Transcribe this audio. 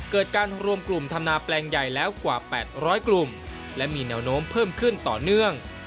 เกิดการรวมกลุ่มทำนาแปลงใหญ่แล้วกว่า๘๐๐กลุ่มและมีแนวโน้มเพิ่มขึ้นต่อเนื่อง